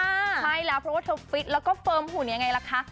ใช่แล้วเพราะว่าเธอฟิตแล้วก็เฟิร์มหุ่นยังไงล่ะคะ